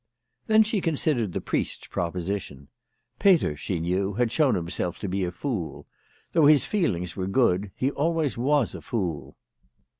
Then she considered the priest's proposition. Peter, she knew, had shown himself to be a fool. Though his feelings were good, he always was a fool.